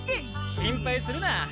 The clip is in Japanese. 心配するな。